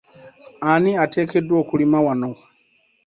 Ani ateekeddwa okulima wano ?